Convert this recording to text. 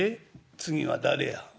次は誰や？